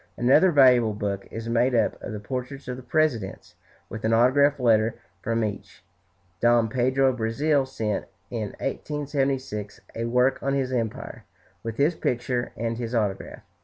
Another valuable book is made up of the portraits of the presidents, with an autograph letter from each. Dom Pedro of Brazil sent, in 1876, a work on his empire, with his picture and his autograph.